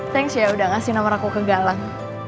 thanks ya udah nga sih nomer aku ke galang